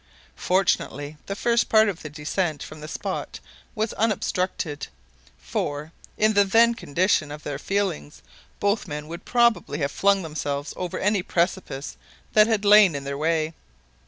Fortunately, the first part of the descent from the spot was unobstructed; for, in the then condition of their feelings, both men would probably have flung themselves over any precipice that had lain in their way.